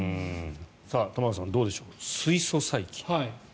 玉川さん、どうでしょう水素細菌。